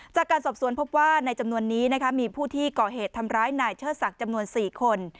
จากการสอบสวนพบว่าในจำนวนนี้มีผู้ที่ก่อเหตุทำร้ายนายเชิดศักดิ์จำนวน๔คน